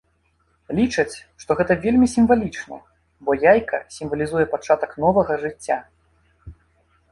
Лічаць, што гэта вельмі сімвалічна, бо яйка сімвалізуе пачатак новага жыцця.